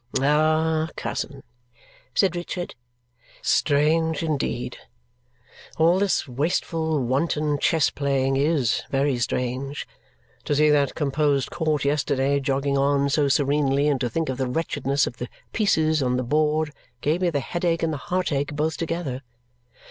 "Ah, cousin!" said Richard. "Strange, indeed! All this wasteful, wanton chess playing IS very strange. To see that composed court yesterday jogging on so serenely and to think of the wretchedness of the pieces on the board gave me the headache and the heartache both together.